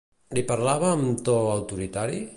Li parlava amb un to autoritari?